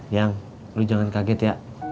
yang lu jangan kaget ya